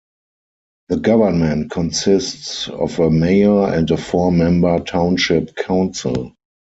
The government consists of a Mayor and a four-member Township Council.